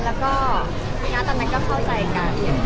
แล้วก็ตอนนั้นก็เข้าใจกัน